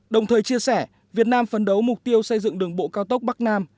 đồng thời chia sẻ việt nam phấn đấu mục tiêu xây dựng đường bộ cao tốc bắc nam